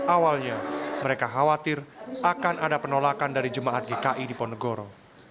awalnya mereka khawatir akan ada penolakan dari jemaat jki di ponegoro